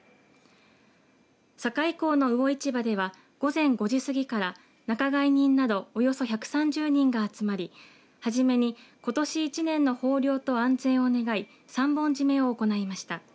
境港の魚市場では午前５時過ぎから仲買人などおよそ１３０人が集まり初めにことし１年の豊漁と安全を願い三本締めを行いました。